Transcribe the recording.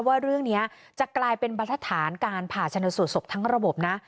ว่าเรื่องนี้จะกลายเป็นบรรทฐานการผ่าชนสูตรศพทั้งระบบนะ